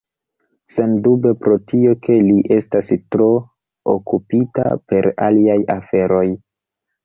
Sendube pro tio, ke li estas tro okupita per aliaj aferoj.